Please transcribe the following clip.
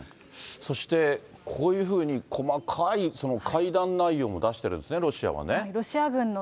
そして、こういうふうに細かい会談内容も出してるんですね、ロシアはね。